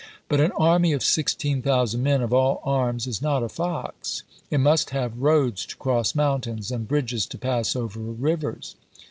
But an army of sixteen thousand men of all arms is not a fox ; it must have roads to cross mountains, and bridges to pass over rivers.